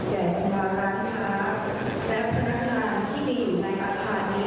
บรรดาร้านค้าและพนักงานที่มีอยู่ในอาคารนี้